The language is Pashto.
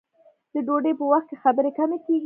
د ډوډۍ په وخت کې خبرې کمې کیږي.